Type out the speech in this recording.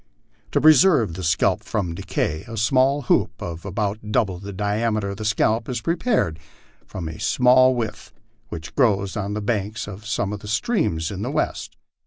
To preserve the scalp from decay, a small hoop of about double the diameter of the scalp is prepared from a small withe, which grows on the banks of some of the streams in the West.